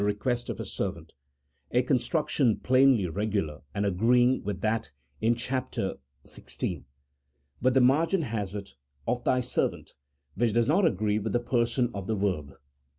143 quest of his servant," a construction plainly regular, and agreeing with that in chap. xvi. But the margin has it "of thy servant," which does not agree with the person of the verb.